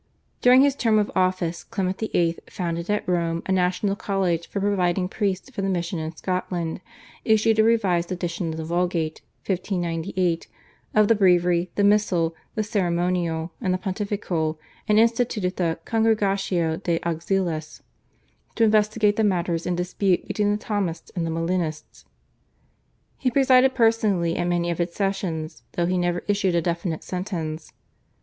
During his term of office Clement VIII. founded at Rome a national college for providing priests for the mission in Scotland, issued a revised edition of the Vulgate (1598), of the Breviary, the Missal, the Caerimonial and the Pontifical, and instituted the /Congregatio de Auxilis/ to investigate the matters in dispute between the Thomists and the Molinists. He presided personally at many of its sessions though he never issued a definite sentence.